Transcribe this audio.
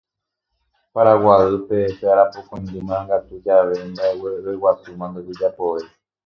Paraguáype pe Arapokõindy Marangatu jave mba'eveguasúma ndojejapovéi